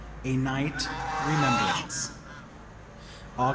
A NIGHT REMEMBRANCE _Aug.